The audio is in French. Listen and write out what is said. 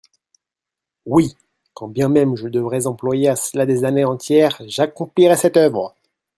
Oui ! Quand bien même je devrais employer à cela des années entières, j'accomplirais cette oeuvre.